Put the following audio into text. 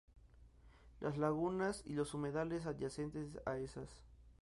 Las lagunas y los humedales adyacentes a estas.